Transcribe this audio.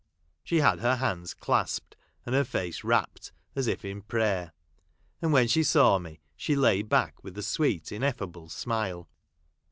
She had her hands clasped, and her face rapt, as if in prayer ; and when she saw me, she lay back with a sweet in effable smile.